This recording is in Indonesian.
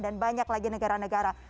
dan banyak lagi negara negara